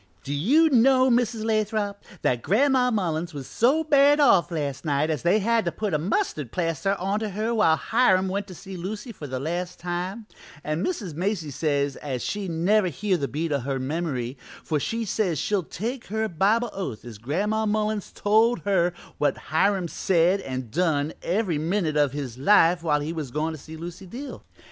"Do you know, Mrs. Lathrop, that Gran'ma Mullins was so bad off last night as they had to put a mustard plaster onto her while Hiram went to see Lucy for the last time, an' Mrs. Macy says as she never hear the beat o' her memory, for she says she'll take her Bible oath as Gran'ma Mullins told her what Hiram said and done every minute o' his life while he was gone to see Lucy Dill.